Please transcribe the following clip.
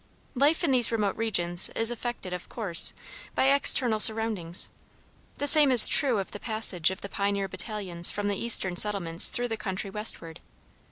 Life in these remote regions is affected, of course, by external surroundings. The same is true of the passage of the pioneer battalions from the eastern settlements through the country westward.